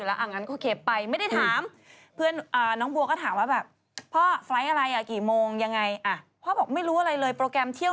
อาเตะกันนิดหนึ่งไงเนี่ยเนี่ย